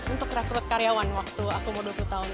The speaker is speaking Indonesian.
untuk rekrut karyawan waktu aku mau dua puluh tahun